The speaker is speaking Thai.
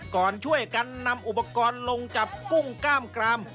ก่อนช่วยกันนำอุปกรณ์ลงจับกุ้งกล้ามกราม